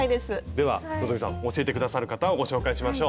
では希さん教えて下さる方をご紹介しましょう。